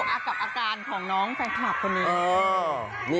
กับอาการของน้องแฟนคลับคนนี้